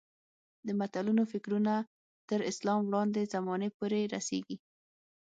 د متلونو فکرونه تر اسلام وړاندې زمانې پورې رسېږي